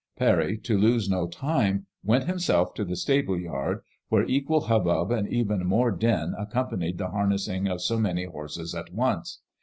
Parry, to lose no time, went himself to the stable yard, where equal hubbub and even more din accompanied the harnessing of so many horses at once.